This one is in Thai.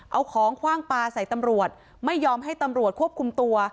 เอาของคว่างปลาใส่ตำรวจไม่ยอมให้ตำรวจควบคุมตัว